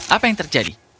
apa yang terjadi